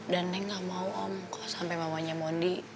dan neng gak mau om kok sampe mamanya mondi